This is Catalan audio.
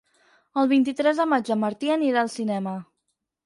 El vint-i-tres de maig en Martí anirà al cinema.